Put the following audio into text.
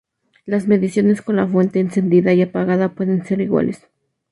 Las mediciones con las fuente encendida y apagada pueden ser iguales.